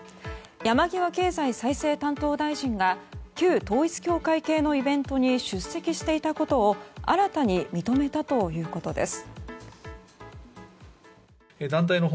山際経済再生担当大臣が旧統一教会のイベントに出席していたことを新たに認めたということです。